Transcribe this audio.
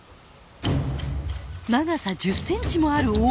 長さ１０センチもある大物。